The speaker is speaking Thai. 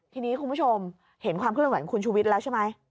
ทีนี้คุณผู้ชมเห็นความเคลื่อนไหวของคุณชูวิทย์แล้วใช่ไหม